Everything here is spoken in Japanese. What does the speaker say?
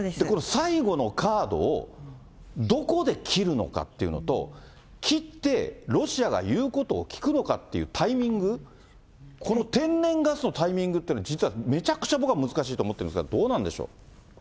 この最後のカードをどこで切るのかっていうのと、切ってロシアが言うことを聞くのかっていうタイミング、この天然ガスのタイミングっていうの、実はめちゃくちゃ僕は難しいと思ってるんですが、どうなんでしょう？